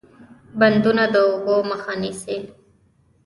بندونه د اوبو مخه نیسي